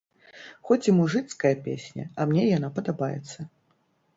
Хоць і мужыцкая песня, а мне яна падабаецца.